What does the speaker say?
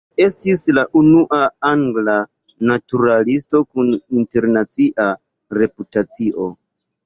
Li estis la unua angla naturalisto kun internacia reputacio.